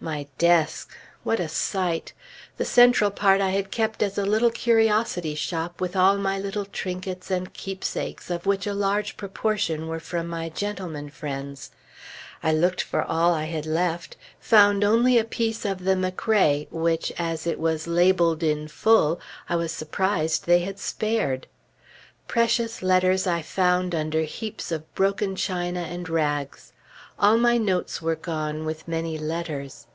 My desk! What a sight! The central part I had kept as a little curiosity shop with all my little trinkets and keepsakes of which a large proportion were from my gentlemen friends; I looked for all I had left, found only a piece of the McRae, which, as it was labeled in full, I was surprised they had spared. Precious letters I found under heaps of broken china and rags; all my notes were gone, with many letters.